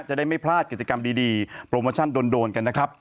จะได้ไม่พลาดกิจกรรมดีโปรโมชั่นโดนกันนะครับ